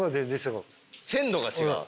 鮮度が違う。